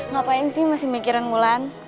ngapain sih masih mikiran mulan